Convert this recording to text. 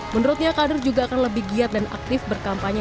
menurutnya kader juga akan lebih giat dan aktif berkampanye